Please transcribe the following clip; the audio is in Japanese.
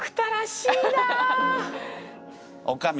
おかみ